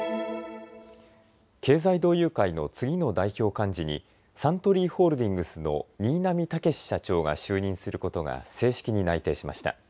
経済同友会の次の代表幹事にサントリーホールディングスの新浪剛史社長が就任することが正式に内定しました。